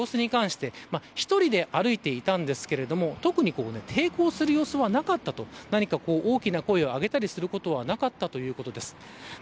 ただ、寺内容疑者の様子に関して１人で歩いていたんですが特に抵抗する様子はなかったと何か大きな声をあげたりすることはなかったということです。